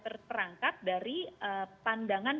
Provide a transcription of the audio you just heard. terperangkap dari pandangan